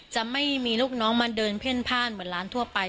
จะไม่มีลูกน้องมาเดินเพ่นพ่านเหมือนร้านทั่วไป